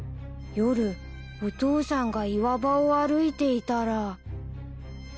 夜お父さんが岩場を歩いていたら。